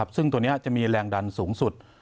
ซึ่งตัวนี้จะมีแรงดันสูงสุด